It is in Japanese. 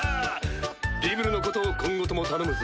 リムルのことを今後とも頼むぞ。